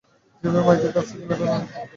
যেভাবে মায়েদের কাছ থেকে মেয়েরা রান্না শেখেন।